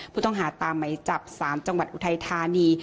ผู้ต้องหาตามไหมจับสารจังหวัดอุทัยธานี